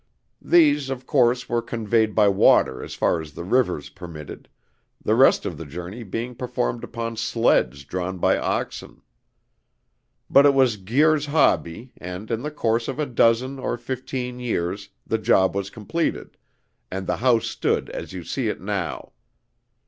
These, of course, were conveyed by water as far as the rivers permitted, the rest of the journey being performed upon sleds drawn by oxen. But it was Guir's hobby, and in the course of a dozen or fifteen years the job was completed, and the house stood as you see it now.